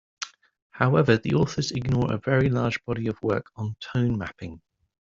However, the authors ignore a very large body of work on tone mapping.